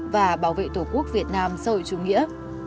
và bảo vệ tổ quốc việt nam sâu chủ nghĩa